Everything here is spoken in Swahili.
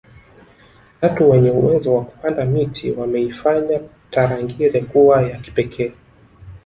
chatu wenye uwezo wa kupanda miti waneifanya tarangire kuwa ya kipekee